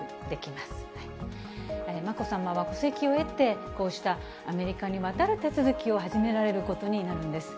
まこさまは戸籍を得て、こうしたアメリカに渡る手続きを始められることになるんです。